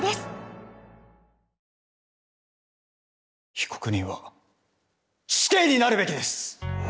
被告人は死刑になるべきです。